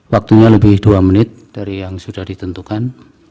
waktunya lebih dua menit dari yang sudah ditentukan